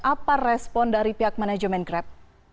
apa respon dari pihak manajemen grab